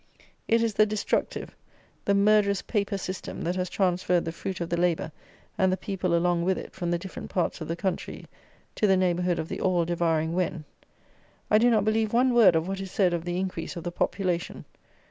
It is the destructive, the murderous paper system, that has transferred the fruit of the labour, and the people along with it, from the different parts of the country to the neighbourhood of the all devouring Wen. I do not believe one word of what is said of the increase of the population.